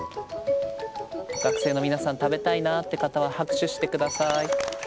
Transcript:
学生の皆さん食べたいなって方は拍手して下さい。